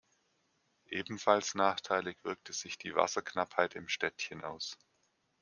Ebenfalls nachteilig wirkte sich die Wasserknappheit im Städtchen aus.